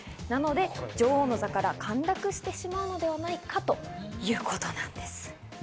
なので女王の座から陥落してしまうのではないかということなんです。